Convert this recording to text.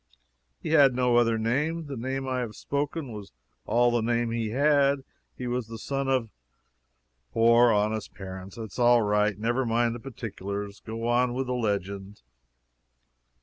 "He had no other name. The name I have spoken was all the name he had. He was the son of " "Poor but honest parents that is all right never mind the particulars go on with the legend."